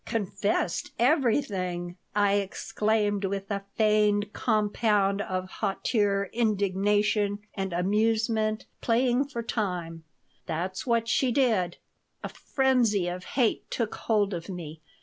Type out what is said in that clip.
"Confessed everything!" I exclaimed, with a feigned compound of hauteur, indignation, and amusement, playing for time "That's what she did." A frenzy of hate took hold of me.